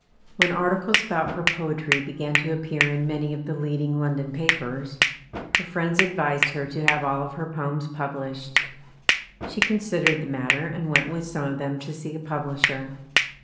When articles about her poetry began to ap pear in many of the leading London papers, her friends advised her to have all of her poems pub lished. She considered the matter and went with some of them to see a publisher.